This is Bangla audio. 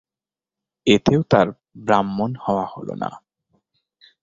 এতেও তার ব্রাহ্মণ হওয়া হলো না।